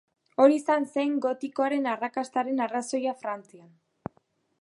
Hori izan zen gotikoaren arrakastaren arrazoia Frantzian.